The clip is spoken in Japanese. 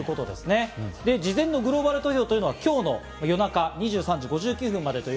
事前のグローバル投票というのが今日の夜中２３時５９分まで。